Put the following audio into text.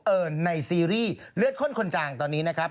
เอิญในซีรีส์เลือดข้นคนจางตอนนี้นะครับ